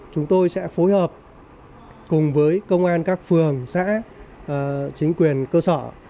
chúng tôi sẽ phối hợp cùng với công an các phường xã chính quyền cơ sở